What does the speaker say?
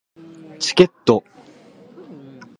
チケット